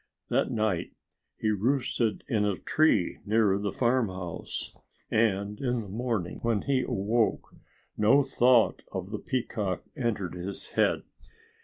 That night he roosted in a tree near the farmhouse. And in the morning when he awoke no thought of the peacock entered his head.